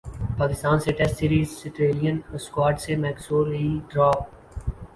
پاکستان سے test series Australian squad سے Maxwell drop